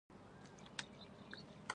وېنه بده ده.